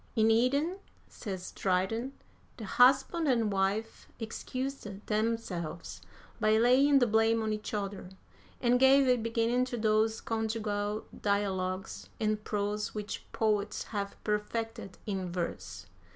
"In Eden," says Dryden, "the husband and wife excused themselves by laying the blame on each other, and gave a beginning to those conjugal dialogues in prose which poets have perfected in verse."